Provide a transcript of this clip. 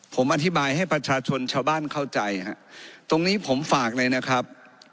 ผมอธิบายให้ประชาชนชาวบ้านเข้าใจฮะตรงนี้ผมฝากเลยนะครับ